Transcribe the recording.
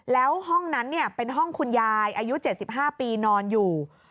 แล้วห้องนั้นเป็นห้องคุณยายอายุ๗๕ปีนอนอยู่